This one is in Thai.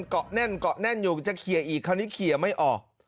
เกาะแน่นเกาะแน่นอยู่จะเคลียร์อีกคราวนี้เคลียร์ไม่ออก